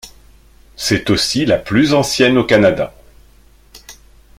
C'est aussi la plus ancienne au Canada.